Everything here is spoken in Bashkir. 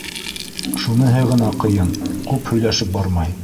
Шуныһы ғына ҡыйын: күп һөйләшеп бармай.